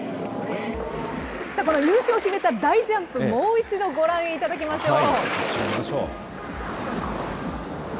さあ、この優勝を決めた大ジャンプ、もう一度ご覧いただきましょう。